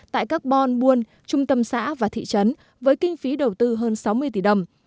tại carbon buôn trung tâm xã và thị trấn với kinh phí đầu tư hơn sáu mươi tỷ đồng